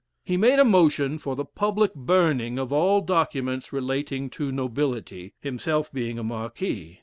He made a motion for the public burning of all documents relating to nobility himself being a Marquis.